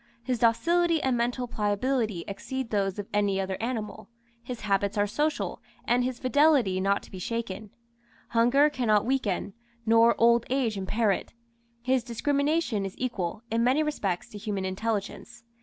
His docility and mental pliability exceed those of any other animal; his habits are social, and his fidelity not to be shaken; hunger cannot weaken, nor old age impair it. His discrimination is equal, in many respects, to human intelligence.